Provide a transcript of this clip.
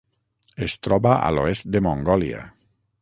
Es troba a l'oest de Mongòlia.